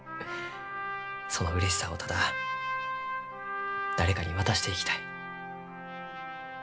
そのうれしさをただ誰かに渡していきたい。